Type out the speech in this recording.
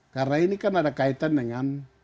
karena ini kan ada kaitan dengan